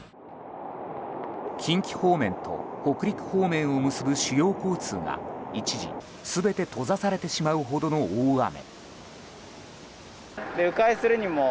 近畿方面と北陸方面を結ぶ主要交通が一時、全て閉ざされてしまうほどの大雨。